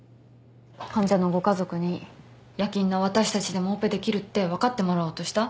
患者のご家族に夜勤の私たちでもオペできるって分かってもらおうとした？